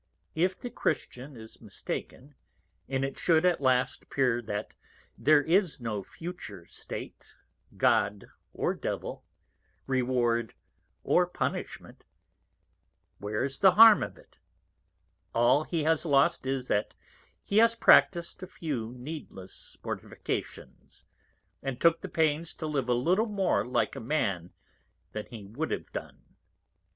If the Christian is mistaken, and it should at last appear that there is no Future State, God or Devil, Reward or Punishment, where is the Harm of it? All he has lost is, that he has practis'd a few needless Mortifications, and took the pains to live a little more like a Man than he wou'd have done.